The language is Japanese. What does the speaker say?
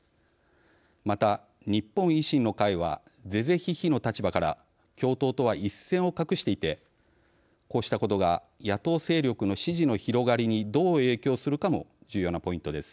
また日本維新の会は是々非々の立場から共闘とは一線を画していてこうしたことが野党勢力の支持の広がりにどう影響するかも重要なポイントです。